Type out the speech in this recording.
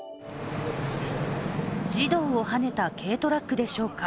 児童をはねた軽トラックでしょうか